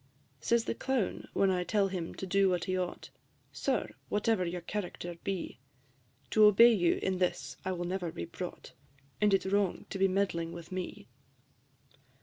V. Says the Clown, when I tell him to do what he ought, "Sir, whatever your character be, To obey you in this I will never be brought, And it 's wrong to be meddling with me."